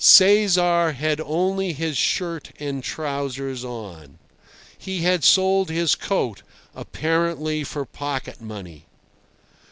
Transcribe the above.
Cesar had only his shirt and trousers on. He had sold his coat, apparently for pocket money.